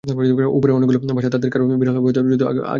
ওপরে অনেকগুলো বাসা, তাদের কারও বিড়াল হবে হয়তো, যদিও ওকে আগে দেখিনি।